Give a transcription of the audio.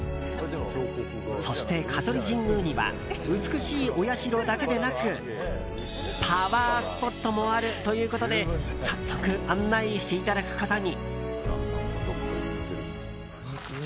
そして、香取神宮には美しいお社だけでなくパワースポットもあるということで早速、案内していただくことに。